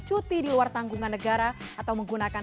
cuti di luar tanggungan negara atau menggunakan